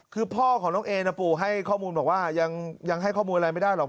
คือพ่อของน้องเอนะปู่ให้ข้อมูลบอกว่ายังให้ข้อมูลอะไรไม่ได้หรอก